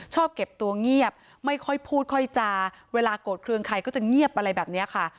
เก็บตัวเงียบไม่ค่อยพูดค่อยจาเวลาโกรธเครื่องใครก็จะเงียบอะไรแบบนี้ค่ะ